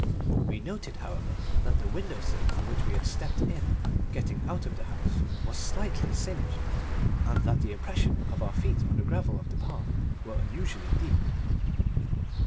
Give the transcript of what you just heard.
We noted, however, that the window sill on which we had stepped in getting out of the house was slightly singed, and that the impressions of our feet on the gravel of the path were unusually deep.